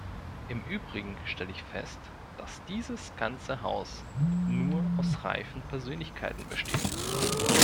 Im übrigen stelle ich fest, dass dieses ganze Haus nur aus reifen Persönlichkeiten besteht!